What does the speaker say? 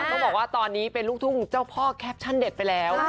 ต้องบอกว่าตอนนี้เป็นลูกทุ่งเจ้าพ่อแคปชั่นเด็ดไปแล้ว